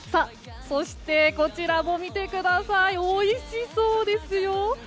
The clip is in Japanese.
こちらも見てくださいおいしそうですよ。